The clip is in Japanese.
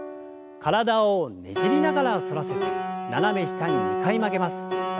体をねじりながら反らせて斜め下に２回曲げます。